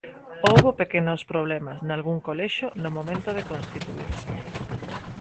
Houbo pequenos problemas nalgún colexio no momento de constituírse.